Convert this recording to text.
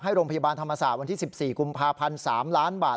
โรงพยาบาลธรรมศาสตร์วันที่๑๔กุมภาพันธ์๓ล้านบาท